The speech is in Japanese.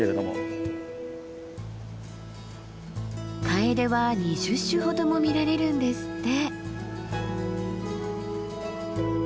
カエデは２０種ほども見られるんですって。